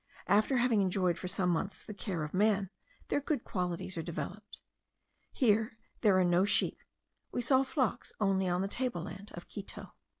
After having enjoyed for some months the care of man, their good qualities are developed. Here there are no sheep: we saw flocks only on the table land of Quito.